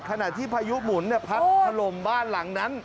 ขณะที่พายุหมุนพัดถล่มบ้านหลังนั้น